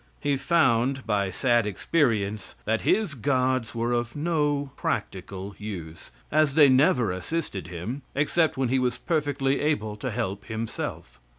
He found by sad experience that his gods were of no practical use, as they never assisted him, except when he was perfectly able to help himself.